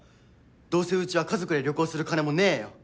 どうせうちは家族で旅行する金もねえよ！